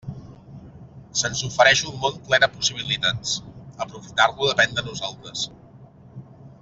Se'ns ofereix un món ple de possibilitats; aprofitar-lo depèn de nosaltres.